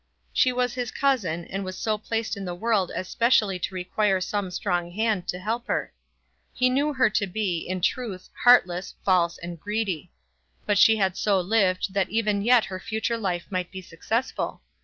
She was his cousin, and was so placed in the world as specially to require some strong hand to help her. He knew her to be, in truth, heartless, false, and greedy; but she had so lived that even yet her future life might be successful.